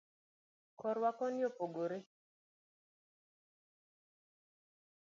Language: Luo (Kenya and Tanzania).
korwa koni opogre